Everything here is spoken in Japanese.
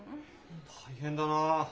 大変だな。